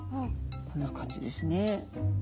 こんな感じですね。